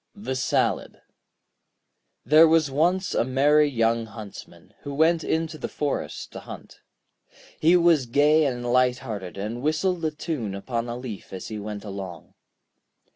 ] The Salad There was once a merry young Huntsman, who went into the forest to hunt. He was gay and light hearted, and whistled a tune upon a leaf as he went along.